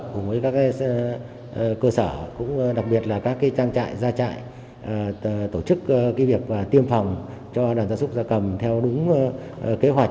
cùng với các cơ sở cũng đặc biệt là các trang trại gia trại tổ chức việc tiêm phòng cho đàn gia súc gia cầm theo đúng kế hoạch